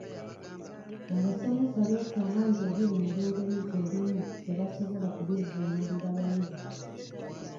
Abasomesa beesanga nga ebiri mu Lungereza ebimu tebasobola kubivvuunulira bayizi.